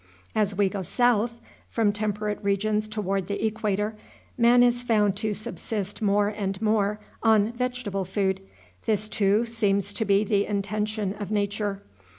As we go south, from temperate regions toward the equator, man is found to subsist more and more on vegetable food. This, too, seems to be the intention of nature.